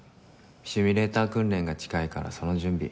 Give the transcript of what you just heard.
シミュレーター訓練が近いからその準備。